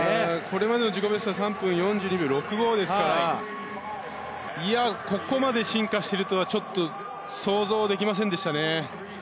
これまでの自己ベストは３分４２秒６５ですからここまで進化しているとはちょっと想像できませんでしたね。